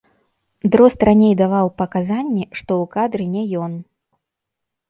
Дрозд раней даваў паказанні, што ў кадры не ён.